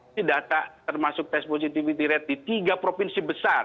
ini data termasuk tes positivity rate di tiga provinsi besar